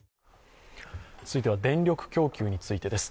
続いては電力供給についてです。